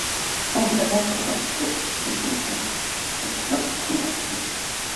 Fue un gigantesco roedor prehistórico del Plioceno, el mayor conocido hasta la fecha.